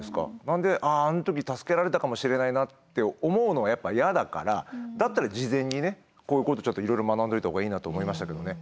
なのであああの時助けられたかもしれないなって思うのはやっぱ嫌だからだったら事前にねこういうことちょっといろいろ学んでおいた方がいいなと思いましたけどね。